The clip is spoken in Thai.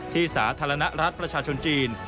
สาธารณรัฐประชาชนจีน